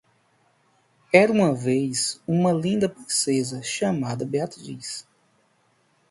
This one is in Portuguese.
Era uma vez uma linda princesa, chamada Beatriz.